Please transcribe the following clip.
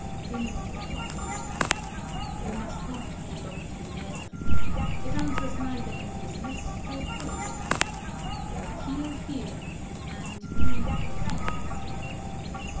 (Renewed applause.) We must not be doctrinaires. It answers neither in business nor politics. (Hear, hear, and re newed applause.)